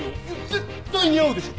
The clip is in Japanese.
絶対似合うでしょ。